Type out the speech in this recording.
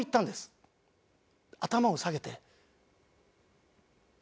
頭を下げて。